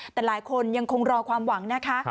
แต่หลายคนยังคงรอความหวังนะคะ